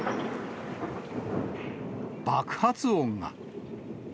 爆発音が。